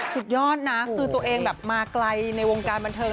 สุดยอดนะคือตัวเองแบบมาไกลในวงการบันเทิง